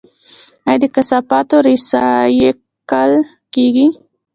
آیا د کثافاتو ریسایکل کیږي؟